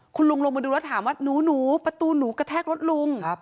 คุณลุงลงมาดูแล้วถามว่าหนูประตูหนูกระแทกรถลุง